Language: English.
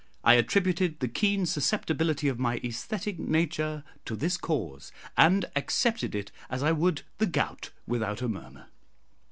I attributed the keen susceptibility of my æsthetic nature to this cause, and accepted it as I would the gout, without a murmur.